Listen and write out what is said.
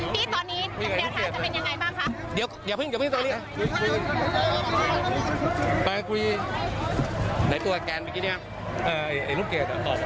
พี่ตอนนี้จะเป็นยังไงบ้างคะ